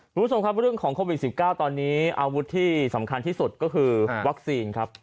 คุณผู้ชมครับเรื่องของโควิด๑๙ตอนนี้อาวุธที่สำคัญที่สุดก็คือวัคซีนครับ